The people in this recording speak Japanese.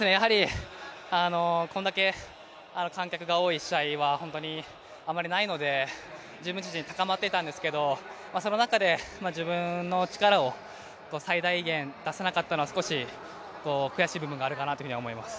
こんだけ観客が多い試合はあまりないので自分自身高まっていたんですけれども、その中で自分の力を最大限出せなかったのは少し悔しい部分があるかなとは思います。